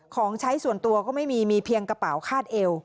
ของใช้ส่วนตัวก็ไม่มีมีเพียงกระเป๋าคาดเอว